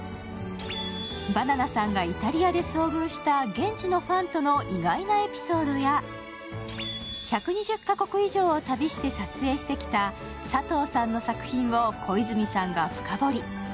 ばななさんがイタリアで遭遇した現地のファンとの意外なエピソードや１２０か国以上を旅して撮影してきた佐藤さんの作品を小泉さんが深掘り。